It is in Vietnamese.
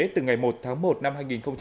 từ ngày một tháng một năm hai nghìn hai mươi